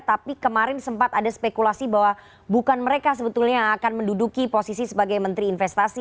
tapi kemarin sempat ada spekulasi bahwa bukan mereka sebetulnya yang akan menduduki posisi sebagai menteri investasi